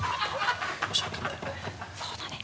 そうだね。